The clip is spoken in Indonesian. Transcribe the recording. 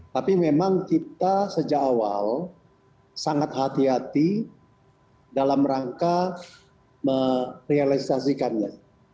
tapi memang kita sejak awal sangat hati hati dalam rangka merealisasikannya